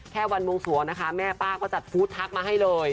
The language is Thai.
แค่วันวงสวงนะคะแม่ป้าก็จัดฟู้ดทักมาให้เลย